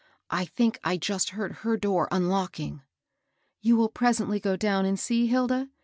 " I think I just heard her door unlocking." " You will presently go down and see, Hilda.